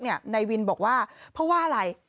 นายวินบอกว่าเพราะว่าอะไร